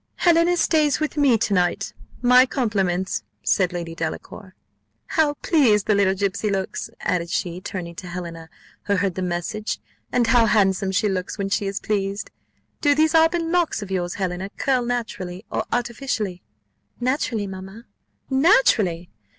"Helena stays with me to night my compliments," said Lady Delacour. "How pleased the little gipsy looks!" added she, turning to Helena, who heard the message; "and how handsome she looks when she is pleased! Do these auburn locks of yours, Helena, curl naturally or artificially?" "Naturally, mamma." "Naturally!